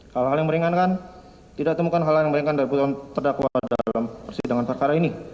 kalau hal hal yang meringankan tidak temukan hal hal yang meringankan dari putusan terdakwa dalam persidangan perkara ini